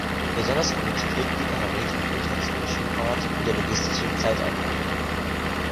Besonders gut schnitten die Parameter für internationale Schifffahrt und der logistische Zeitaufwand ab.